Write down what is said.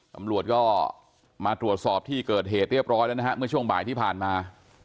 ตำรวจก็มาตรวจสอบที่เกิดเหตุเรียบร้อยแล้วนะฮะเมื่อช่วงบ่ายที่ผ่านมา